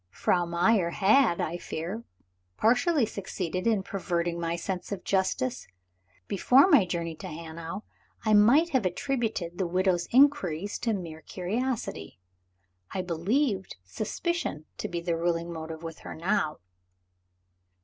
Frau Meyer had, I fear, partially succeeded in perverting my sense of justice. Before my journey to Hanau, I might have attributed the widow's inquiries to mere curiosity. I believed suspicion to be the ruling motive with her, now.